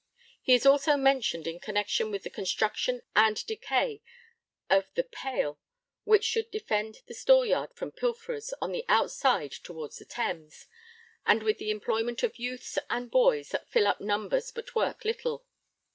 He is also mentioned in connexion with the construction and decay of the 'pale' which should defend the storeyard from pilferers 'on the outside towards the Thames,' and with the employment of youths and boys 'that fill up numbers but work little.'